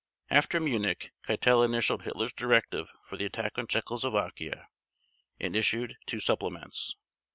After Munich, Keitel initialed Hitler's directive for the attack on Czechoslovakia, and issued two supplements.